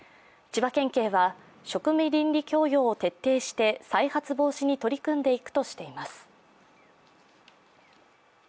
千葉県警は職務倫理教養を徹底して再発防止に取り組んでいくとしています。